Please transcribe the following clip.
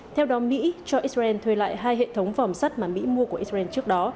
theo đó mỹ cho israel thuê lại hai hệ thống vòm sắt mà mỹ mua của israel trước đó